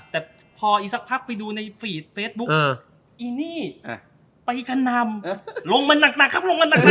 แต่พออีกสักพักไปดูในฟีดเฟสบุ๊คอีนี่ไปกันนำลงมันหนักครับครับ